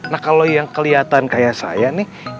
nah kalau yang kelihatan kayak saya nih